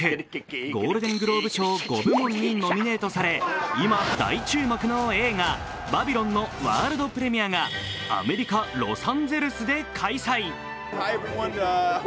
ゴールデン・グローブ賞５部門にノミネートされ今大注目の映画、「バビロン」のワールドプレミアがアメリカ・ロサンゼルスで開催。